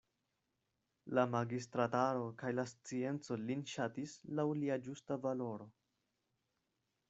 La magistrataro kaj la scienco lin ŝatis laŭ lia ĝusta valoro.